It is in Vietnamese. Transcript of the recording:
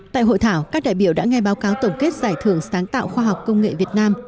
tại hội thảo các đại biểu đã nghe báo cáo tổng kết giải thưởng sáng tạo khoa học công nghệ việt nam